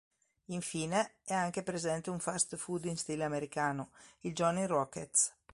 Infine, è anche presente un fast food in stile americano, il Johnny Rockets.